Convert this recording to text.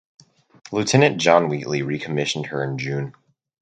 Lieutenant John Wheatley recommissioned her in June.